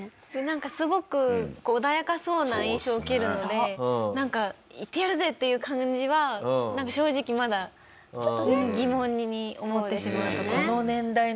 なんかすごく穏やかそうな印象を受けるのでなんか行ってやるぜ！っていう感じは正直まだ疑問に思ってしまうところ。